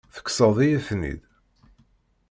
Tekkseḍ-iyi-ten-id.